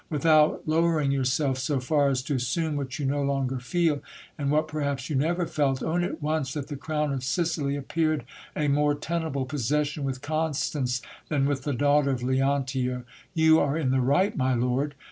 Without lowering yourself so far as to assume what you no longer feel, and what perhaps you never felt, own at once that the crown of Sicily appeared a mere tenable possession with Constance than with the daughter of Leontio. You are in the right, my lord.